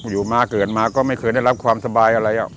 อยู่มาเกิดมาก็ไม่เคยได้รับความสบายอะไร